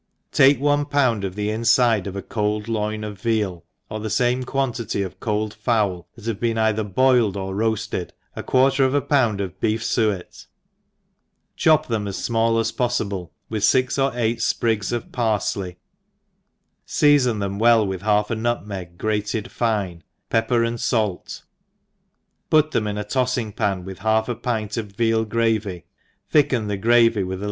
TAltE otte pound of the infide of a«c©ld loiit of veal, or the fame quantity of cold fov^l, that have been cither boiled or reafted, a quarter of a pound of beef fuet, chop them as fmall as pofr fiblc, with fix or eight fprigs of parfley, feafoil them well with halt a nutmeg grated fine, pep ^pcr and fait, put them in a tailing pan, with half a pint of veal gravy, thicken the gravy with a little i ENGfLJSH HOUSE.KEEPfiR.